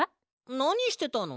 なにしてたの？